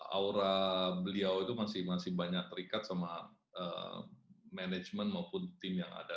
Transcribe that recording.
aura beliau itu masih banyak terikat sama manajemen maupun tim yang ada